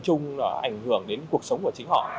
chung ảnh hưởng đến cuộc sống của chính họ